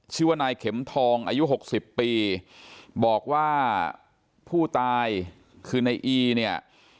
ชื่อว่านายเข็มทองอายุหกสิบปีบอกว่าผู้ตายคือในอีเนี่ย